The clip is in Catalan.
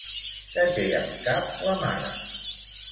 Què té al cap la mare?